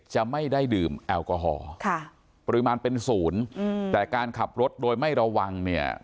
จะไม่ได้ดื่มแอลกอฮอล์ค่ะปริมาณเป็นศูนย์แต่การขับรถโดยไม่ระวังเนี่ย